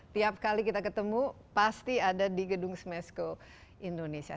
tiap kali kita ketemu pasti ada di gedung smesko indonesia